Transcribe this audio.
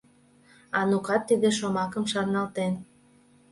Анукат тиде шомакым шарналтен.